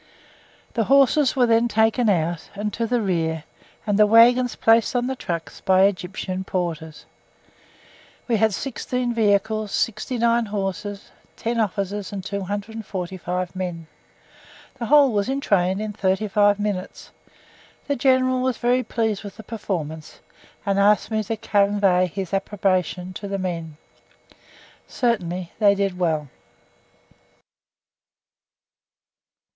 The horses were then taken out and to the rear, and the waggons placed on the trucks by Egyptian porters. We had 16 vehicles, 69 horses, 10 officers and 245 men. The whole were entrained in 35 minutes. The General was very pleased with the performance, and asked me to convey his approbation to the men. Certainly they did well.